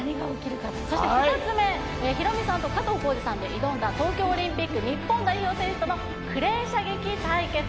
そして２つ目、ヒロミさんと加藤浩次さんで挑んだ東京オリンピック日本代表選手とのクレー射撃対決